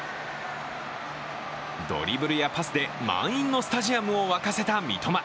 ドリブルやパスで満員のスタジアムを沸かせた三笘。